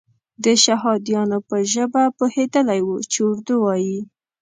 د شهادیانو په ژبه پوهېدلی وو چې اردو وایي.